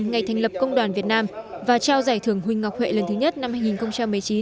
ngày thành lập công đoàn việt nam và trao giải thưởng huynh ngọc huệ lần thứ nhất năm hai nghìn một mươi chín